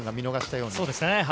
そうですね。